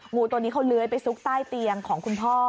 งูตัวนี้เขาเลื้อยไปซุกใต้เตียงของคุณพ่อ